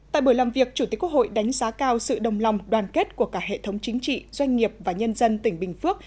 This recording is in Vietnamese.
tại buổi làm việc chủ tịch quốc hội đánh giá cao sự đồng lòng đoàn kết của cả hệ thống chính trị doanh nghiệp và nhân dân tỉnh bình phước